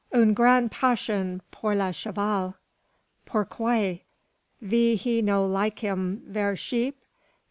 Un grand passion pour le cheval. Pourquoi: vy he no like him ver sheep?